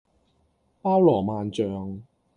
包羅萬象